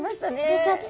よかった。